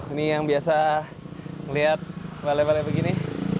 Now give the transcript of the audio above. ini yang biasa ngeliat bale bale begini